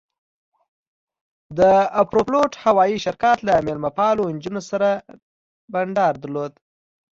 د ایروفلوټ هوایي شرکت له میلمه پالو نجونو سره بنډار درلود.